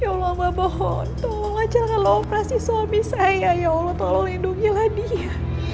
ya allah ya allah mabahon tolong aja lalu operasi suami saya ya allah tolong lindungilah dia